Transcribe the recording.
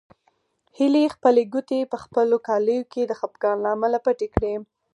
هیلې خپلې ګوتې په خپلو کالیو کې د خپګان له امله پټې کړې.